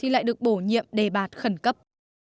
lại được bổ nhiệm đề bạt khẩn cấp